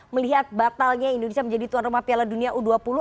melihat batalnya indonesia menjadi tuan rumah piala dunia u dua puluh